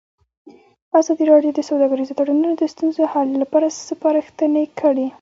ازادي راډیو د سوداګریز تړونونه د ستونزو حل لارې سپارښتنې کړي.